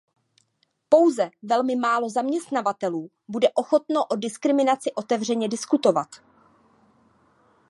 Pouze velmi málo zaměstnavatelů bude ochotno o diskriminaci otevřeně diskutovat.